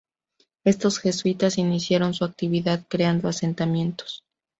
Estos jesuitas iniciaron su actividad creando asentamientos.